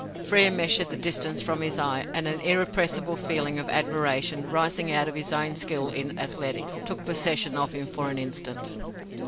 Frere measured the distance from his eye, and an irrepressible feeling of admiration, rising out of his own skill in athletics, took possession of him for an instant.